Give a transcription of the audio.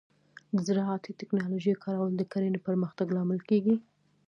د زراعتي ټیکنالوجۍ کارول د کرنې پرمختګ لامل کیږي.